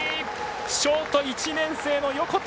ショート、１年生の横田！